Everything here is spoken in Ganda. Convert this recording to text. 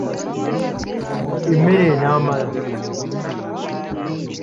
Emmere enaamala?